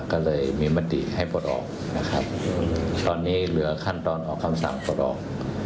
ก็เลยมีมติให้ปลดออกนะครับตอนนี้เหลือขั้นตอนออกคำสั่งปลดออก